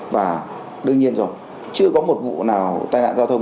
và đương nhiên rồi chưa có một vụ nào tai nạn giao thông